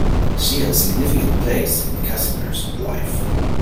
She had a significant place in Casimir's life.